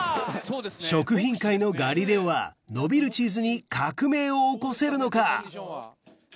食品界のガリレオは伸びるチーズに革命を起こせるのか？